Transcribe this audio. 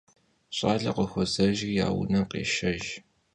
Ş'aler khıxuozejjri ar vunem khêşşejj.